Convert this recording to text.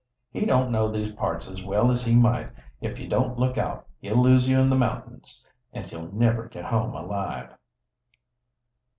"He don't know these parts as well as he might. If you don't look out he'll lose you in the mountains, and you'll never get home alive."